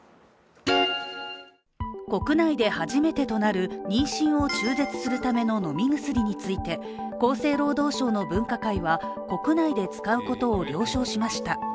国内で初めてとなる妊娠を中絶するための飲み薬について、厚生労働省の分科会は国内で使うことを了承しました。